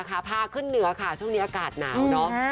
ภาษากล์ขึ้นเหนือช่วงนี้อากาศหนาว